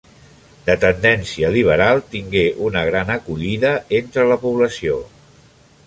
De tendència liberal, tingué una gran acollida entre la població.